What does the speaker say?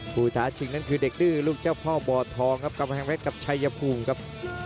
ท้าชิงนั้นคือเด็กดื้อลูกเจ้าพ่อบ่อทองครับกำแพงเพชรกับชัยภูมิครับ